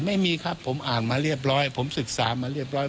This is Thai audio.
ไม่มีครับผมอ่านมาเรียบร้อยผมศึกษามาเรียบร้อย